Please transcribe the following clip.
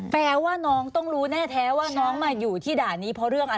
แปลว่าน้องต้องรู้แน่แท้ว่าน้องมาอยู่ที่ด่านนี้เพราะเรื่องอะไร